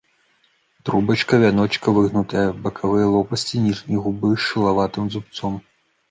Трубачка вяночка выгнутая, бакавыя лопасці ніжняй губы з шылаватым зубцом.